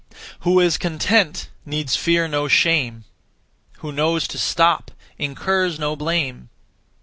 Who is content Needs fear no shame. Who knows to stop Incurs no blame.